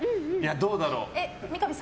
どうだろう。